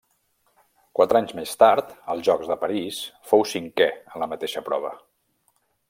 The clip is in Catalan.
Quatre anys més tard, als Jocs de París, fou cinquè en la mateixa prova.